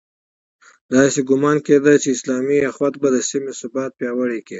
داسې ګومان کېده چې اسلامي اُخوت به د سیمې ثبات پیاوړی کړي.